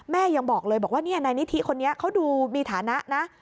ยังบอกเลยบอกว่านายนิธิคนนี้เขาดูมีฐานะนะ